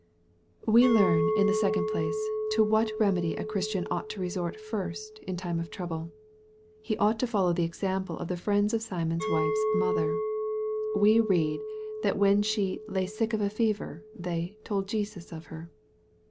* We learn, in the second place, to what remedy a Chris tian ought to resort first, in time of trouble. He ought to follow the example of the friends of Simon's wife's mother. We read that when she "lay sick of a fever," they " told Jesus of her."